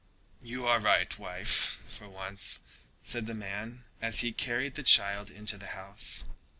"You are right, wife, for once," said the man as he carried the child into the house.